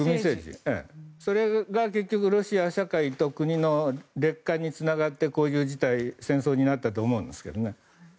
それが結局、ロシア社会と国の劣化につながってこういう事態、戦争になったと思うんですけどね。